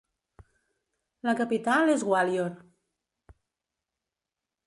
La capital és Gwalior.